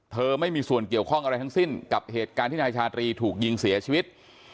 ไม่มีส่วนเกี่ยวข้องอะไรทั้งสิ้นกับเหตุการณ์ที่นายชาตรีถูกยิงเสียชีวิต